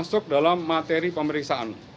masuk dalam materi pemeriksaan